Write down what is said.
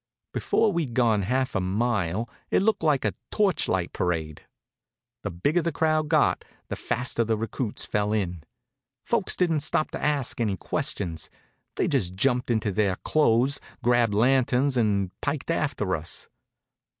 Before we'd gone half a mile it looked like a torchlight parade. The bigger the crowd got, the faster the recruits fell in. Folks didn't stop to ask any questions. They just jumped into their clothes, grabbed lanterns and piked after us.